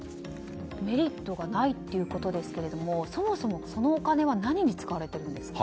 メリットがないということですけれどもそもそも、そのお金は何に使われているんですか。